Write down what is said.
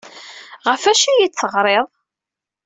Ɣef wacu ay iyi-d-teɣriḍ?